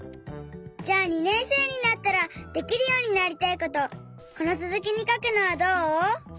じゃあ２年生になったらできるようになりたいことこのつづきにかくのはどう？